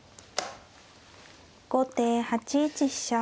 後手８一飛車。